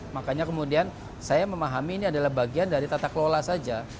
makanya kemudian saya memahami ini adalah bagian dari tata kelola saja